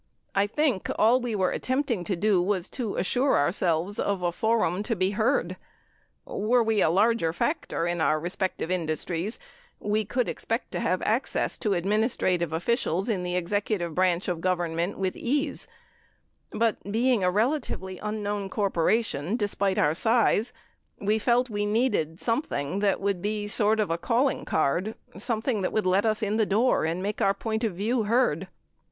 I think all we were attempting to do was to assure our selves of a forum to be heard. Were we a larger factor in our respective industries, we could expect to have access to ad ministrative officials in the executive branch of Government with ease, but being a relatively unknown corporation, despite our size, we felt we needed something that would be sort of a calling card, something that would let us in the door and make our point of view heard.